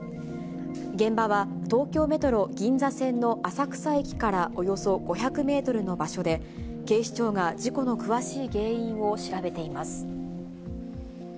現場は東京メトロ銀座線の浅草駅からおよそ５００メートルの場所で、警視庁が事故の詳しい原因を調べています。